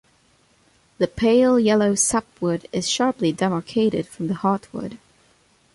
The pale yellow sapwood is sharply demarcated from the heartwood.